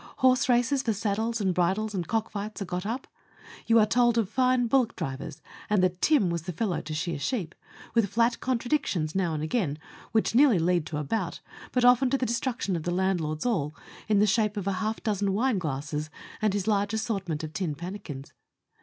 Horse races for saddles and bridles, and cockfights, are got up; you are told of fine bullock drivers, and that Tim was the fellow to shear sheep, with flat contradictions now and again, which nearly lead to a bout, but often to the destruction of the landlord's all, in the shape of half a dozen wine glasses, and his large assortment of tin pannikins.